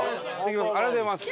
ありがとうございます！